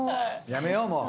やめようもう。